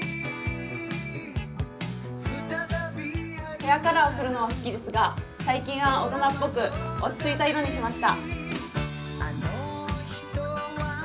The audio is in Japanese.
ヘアカラーをするのは好きですが、最近は大人っぽく、落ち着いた色にしました。